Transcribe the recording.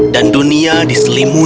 dan dunia diselimuti